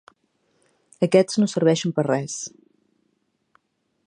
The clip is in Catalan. Aquests no serveixen per a res.